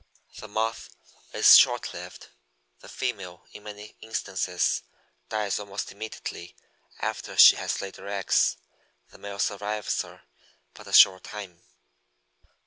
The moth is short lived; the female in many instances dies almost immediately after she has laid her eggs; the male survives her but a short time.